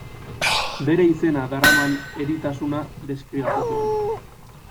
Bere izena daraman eritasuna deskribatu zuen.